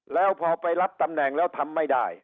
แล้วพอไปรับตำแหน่งแล้วทำไม่ได้